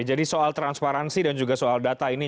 jadi soal transparansi dan juga soal data ini